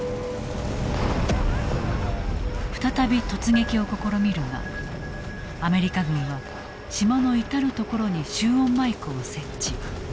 再び突撃を試みるがアメリカ軍は島の至る所に集音マイクを設置。